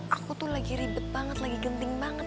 aku tuh lagi ribet banget lagi genting banget